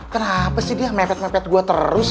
kenapa sih dia mepet mepet gue terus